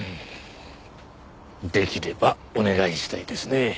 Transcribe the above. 出来ればお願いしたいですね。